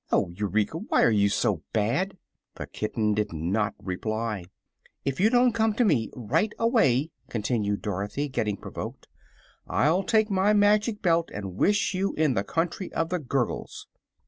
"Oh, Eureka! Why are you so bad?" The kitten did not reply. "If you don't come to me, right away," continued Dorothy, getting provoked, "I'll take my Magic Belt and wish you in the Country of the Gurgles."